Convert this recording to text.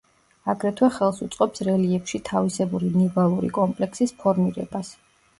აგრეთვე ხელს უწყობს რელიეფში თავისებური ნივალური კომპლექსის ფორმირებას.